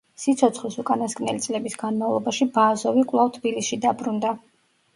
სიცოცხლის უკანასკნელი წლების განმავლობაში ბააზოვი კვლავ თბილისში დაბრუნდა.